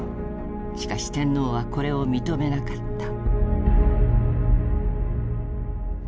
しかし天皇はこれを認めなかった。